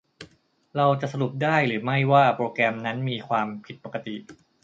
เราจะสรุปได้หรือไม่ว่าโปรแกรมนั้นมีความผิดปกติ ?